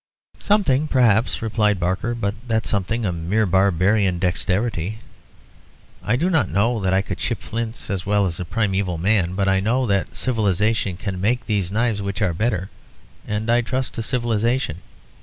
"Something, perhaps," replied Barker, "but that something a mere barbarian dexterity. I do not know that I could chip flints as well as a primeval man, but I know that civilisation can make these knives which are better, and I trust to civilisation."